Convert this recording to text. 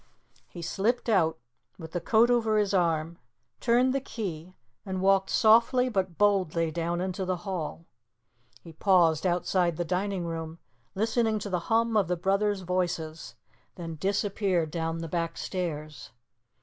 He slipped out with the coat over his arm, turned the key and walked softly but boldly down into the hall. He paused outside the dining room, listening to the hum of the brothers' voices, then disappeared down the back stairs.